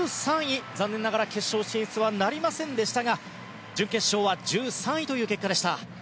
残念ながら決勝進出はなりませんでしたが準決勝は１３位という結果でした。